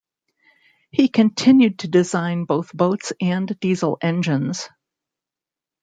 He continued to design both boats and diesel engines.